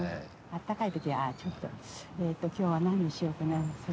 あったかい時はちょっとえと今日は何にしようかな？